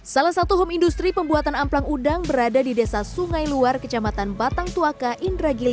salah satu home industri pembuatan amplang udang berada di desa sungai luar kecamatan batang tuaka indragili